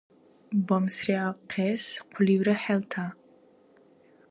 Бамсриахъес хъуливра хӀелта!